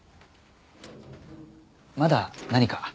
まだ何か？